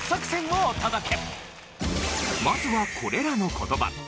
まずはこれらの言葉。